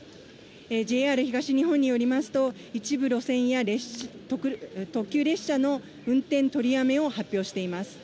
ＪＲ東日本によりますと、一部路線や特急列車の運転取りやめを発表しています。